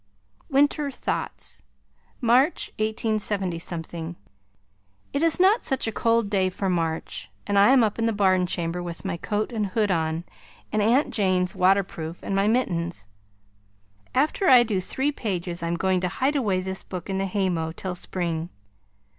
WINTER THOUGHTS March, 187 It is not such a cold day for March and I am up in the barn chamber with my coat and hood on and Aunt Jane's waterproof and my mittens. After I do three pages I am going to hide away this book in the haymow till spring.